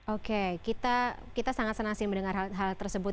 oke kita sangat senang sih mendengar hal hal tersebut